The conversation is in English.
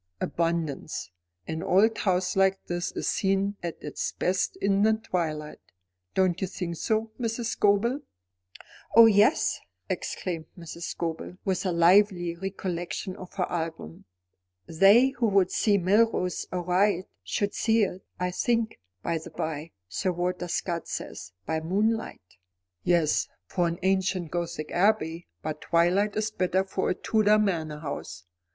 "Abundance. An old house like this is seen at its best in the twilight. Don't you think so, Mrs. Scobel?" "Oh, yes," exclaimed Mrs. Scobel, with a lively recollection of her album. "'They who would see Melrose aright, should see it' I think, by the bye, Sir Walter Scott says, 'by moonlight.'" "Yes, for an ancient Gothic abbey; but twilight is better for a Tudor manor house.